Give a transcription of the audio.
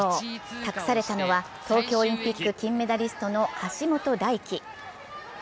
託されたのは東京オリンピック金メダリストの橋本大輝。